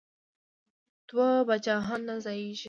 دوه پاچاهان نه ځاییږي.